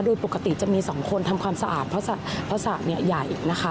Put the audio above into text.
โดยปกติจะมีสองคนทำความสะอาดเพราะสระเนี่ยใหญ่นะคะ